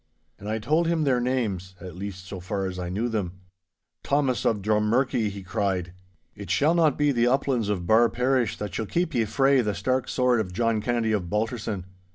And I told him their names—at least so far as I knew them. 'Thomas of Drummurchie!' he cried. 'It shall not be the uplands of Barr parish that shall keep ye frae the stark sword of John Kennedy of Balterson.